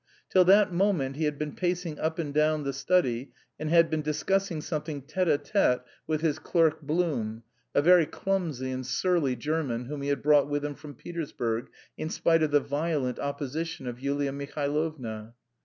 Till that moment he had been pacing up and down the study and had been discussing something tête à tête with his clerk Blum, a very clumsy and surly German whom he had brought with him from Petersburg, in spite of the violent opposition of Yulia Mihailovna.